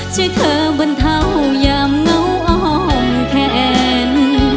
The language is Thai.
ช่วยเธอบรรเทายามเงาอ้อมแขน